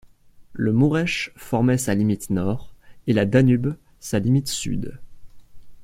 Le Mureș formait sa limite nord et la Danube sa limite sud.